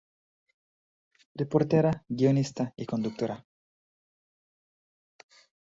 Reportera, guionista y conductora.